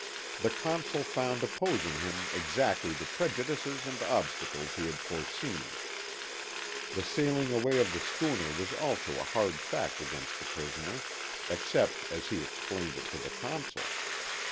The Consul found opposing him exactly the prejudices and obstacles he had foreseen. The sailing away of the schooner was also a hard fact against the prisoner, except as he explained it to the Consul.